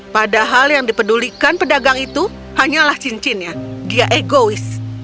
padahal yang dipedulikan pedagang itu hanyalah cincinnya dia egois